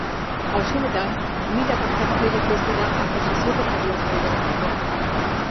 Auzi honetan mila partehartzaile prest dira akusazio partikularra bideratzeko.